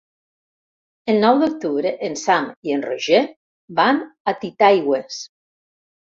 El nou d'octubre en Sam i en Roger van a Titaigües.